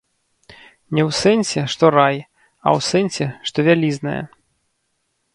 Не ў сэнсе, што рай, а ў сэнсе, што вялізная.